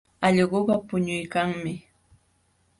Allquqa puñuykanmi.